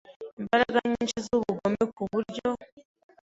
imbaraga nyinshi z’ubugome ku buryo